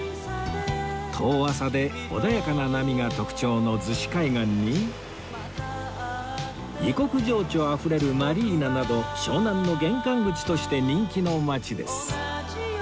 遠浅で穏やかな波が特徴の逗子海岸に異国情緒あふれるマリーナなど湘南の玄関口として人気の街です